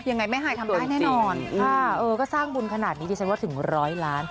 ยังไงแม่ฮายทำได้แน่นอนค่ะเออก็สร้างบุญขนาดนี้ดิฉันว่าถึงร้อยล้าน